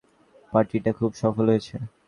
পার্টিটা খুব সফল হয়েছে।